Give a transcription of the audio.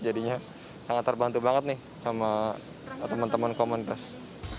jadinya sangat terbantu banget nih sama teman teman komunitas